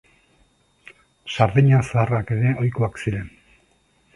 Sardina zaharrak ere ohikoak ziren.